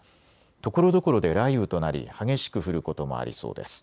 ところどころで雷雨となり激しく降ることもありそうです。